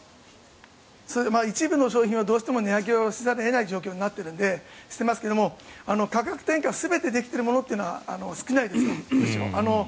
一部の商品はどうしても値上げせざるを得ない状況になっているのでしてますけども価格転嫁、全てできてるものは少ないです。